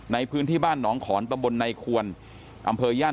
ในพื้นที่บ้านหนองขอนตำบลในควรอำเภอย่าน